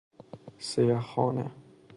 سیه خانه